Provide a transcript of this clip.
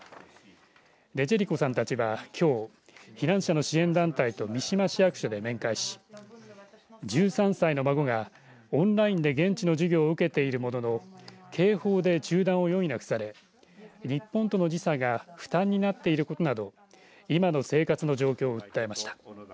ネジェリコさんたちは、きょう避難者の支援団体と三島市役所で面会し１３歳の孫がオンラインで現地の授業を受けているものの警報で中断を余儀なくされ日本との時差が負担になっていることなど今の生活の状況を訴えました。